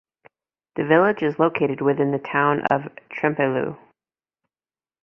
The village is located within the Town of Trempealeau.